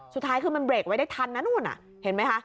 สุดท้ายคือมันเบรกไว้ได้ทันนะนู่นเห็นไหมคะ